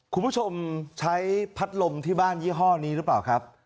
คุณผู้ชมใช้พัดลมที่บ้านยี่ห้อนี้หรือเปล่าครับ